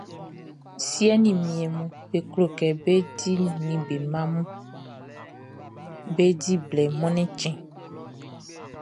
Siɛ ni niɛnʼm be klo kɛ be ni be mmaʼm be di blɛ Mɔnnɛn chtɛnʼn.